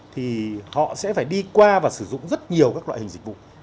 thì họ sẽ phải đi qua và sử dụng rất nhiều các loại hình dịch vụ